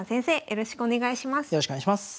よろしくお願いします。